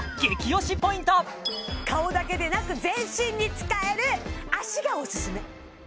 顔だけでなく全身に使える脚がオススメ